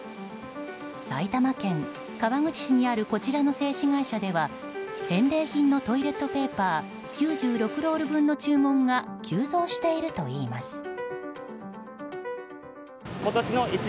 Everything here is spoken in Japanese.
埼玉県川口市にあるこちらの製紙会社では返礼品のトイレットペーパー９６ロール分の注文が急増しているといいます。